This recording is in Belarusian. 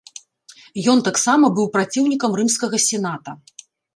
Ён таксама быў праціўнікам рымскага сената.